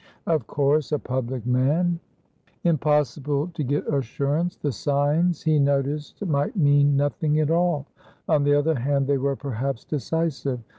"Of coursea public man" Impossible to get assurance. The signs he noticed might mean nothing at all; on the other hand, they were perhaps decisive.